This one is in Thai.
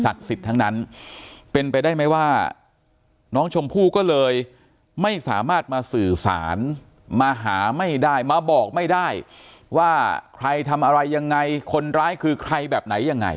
สิทธิ์ทั้งนั้นเป็นไปได้ไหมว่าน้องชมพู่ก็เลยไม่สามารถมาสื่อสารมาหาไม่ได้มาบอกไม่ได้ว่าใครทำอะไรยังไงคนร้ายคือใครแบบไหนยังไง